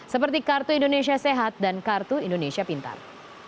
seperti kartu indonesia sehat dan kartu indonesia pintar